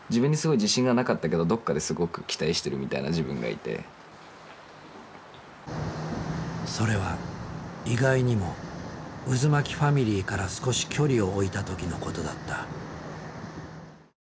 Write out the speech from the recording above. いやもうこうそれは意外にもうずまきファミリーから少し距離を置いた時のことだった。